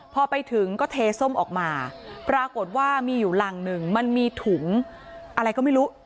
พอไปถึงก็เทส้มออกมาปรากฏว่ามีอยู่หลังหนึ่งมันมีถุงอะไรก็ไม่รู้